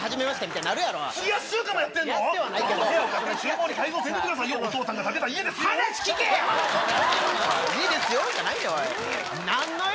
いいですよじゃないよ。